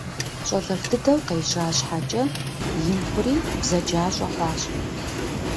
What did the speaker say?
Щӏалэфӏ дыдэу къежьа щхьэкӏэ, ин хъури бзаджащӏэ хъуащ.